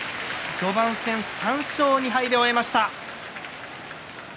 序盤戦３勝２敗で終えました。